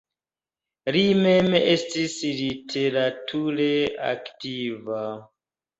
Li mem estis literature aktiva.